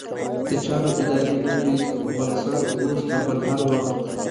د چارو ادارې لوی رئيس؛ افغانستان کې اوس تر بل هر وخت